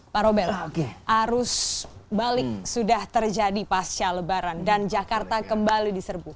pak rober arus balik sudah terjadi pasca lebaran dan jakarta kembali diserbu